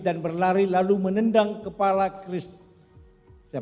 dan berlari lalu menendang kepala chris